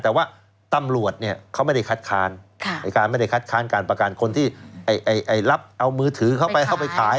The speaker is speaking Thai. แต่ว่าตำรวจเขาไม่ได้คัดค้านไม่ได้คัดค้านการประกันคนที่เอามือถือเข้าไปขาย